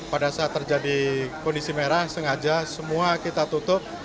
pada saat terjadi kondisi merah sengaja semua kita tutup